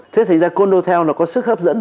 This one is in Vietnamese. thế thành ra cô đô theo nó có sức hấp dẫn